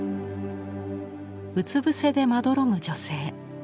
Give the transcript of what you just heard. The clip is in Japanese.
うつ伏せでまどろむ女性。